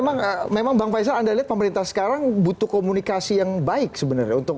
tapi memang bang fajrul anda lihat pemerintah sekarang butuh komunikasi yang baik sebenarnya